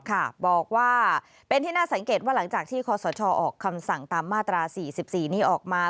บอกว่าเป็นที่น่าสังเกตว่าหลังจากที่คศออกคำสั่งตามมาตรา๔๔นี้ออกมา